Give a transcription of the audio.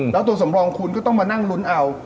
แล้วตัวสำรองคุณก็ต้องมานั่งลุ้นเอา